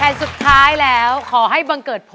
๖นะครับ